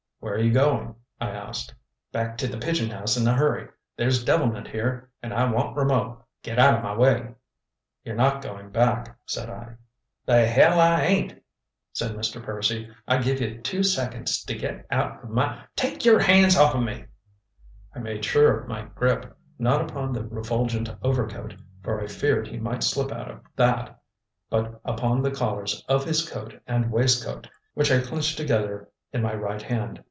"Where are you going?" I asked. "Back to the pigeon house in a hurry. There's devilment here, and I want Rameau. Git out o' my way!" "You're not going back," said I. "The hell I ain't!" said Mr. Percy. "I give ye two seconds t' git out o' my TAKE YER HANDS OFFA ME!" I made sure of my grip, not upon the refulgent overcoat, for I feared he might slip out of that, but upon the collars of his coat and waistcoat, which I clenched together in my right hand.